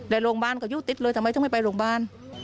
และโรงพยาบาลก็อยู่ติดเลยทำไมต้องไม่ไปโรงพยาบาล